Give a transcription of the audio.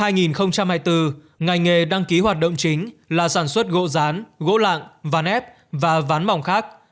ngành nghề đăng ký hoạt động chính là sản xuất gỗ rán gỗ lạng ván ép và ván bỏng khác